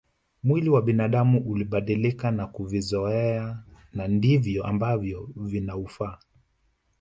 Mwili wa binadamu ulibadilika na kuvizoea na ndivyo ambavyo vinaufaa